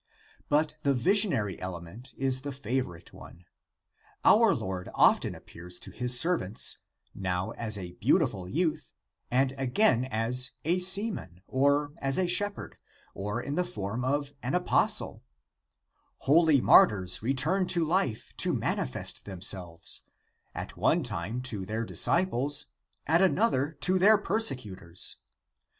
But the visionary element is the "favorite one. Our Lord often ap pears to his servants, now as a beautiful youth, and again' as a seaman, or as a shepherd, or in the form of an apostle; holy martyrs return to life to manifest themselves, at one time to their disciples, at another to their persecutors.